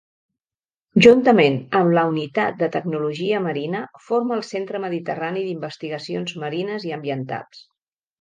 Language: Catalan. Juntament amb la Unitat de Tecnologia Marina forma el Centre Mediterrani d'Investigacions Marines i Ambientals.